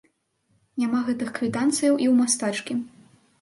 Няма гэтых квітанцыяў і ў мастачкі.